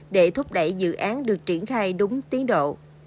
để thúc đẩy dự án được triển khai đúng tiến độ